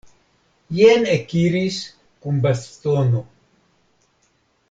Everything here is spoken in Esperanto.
Jen ekiris kun bastono!